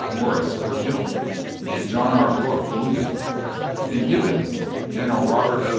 Mor ris were killed, and John R. Brooke wounded ; in Gibbon's, General Robert 0.